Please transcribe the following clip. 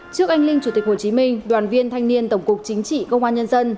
trước anh linh chủ tịch hồ chí minh đoàn viên thanh niên tổng cục chính trị công an nhân dân